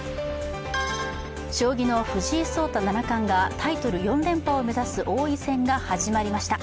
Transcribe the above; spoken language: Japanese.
将棋の藤井聡太七冠がタイトル４連覇を目指す、王位戦が始まりました。